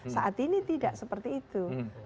saat ini tidak seperti itu